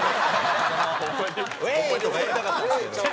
ウエーイ！とかやりたかったんですけど。